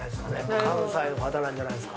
関西の方なんじゃないですか。